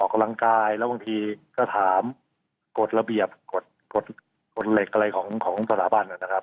กำลังกายแล้วบางทีก็ถามกฎระเบียบกฎเหล็กอะไรของสถาบันนะครับ